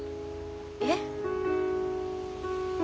えっ。